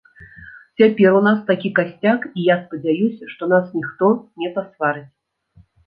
Цяпер у нас такі касцяк, і я спадзяюся, што нас ніхто не пасварыць.